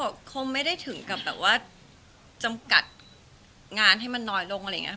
ก็คงไม่ได้ถึงกับแบบว่าจำกัดงานให้มันน้อยลงอะไรอย่างนี้